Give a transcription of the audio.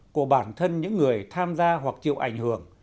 của bản thân những người tham gia hoặc chịu ảnh hưởng